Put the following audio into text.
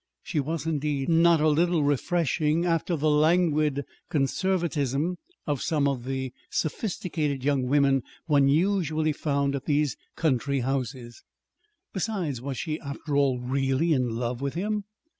She was, indeed, not a little refreshing after the languid conservatism of some of the sophisticated young women one usually found at these country houses. Besides, was she, after all, really in love with him?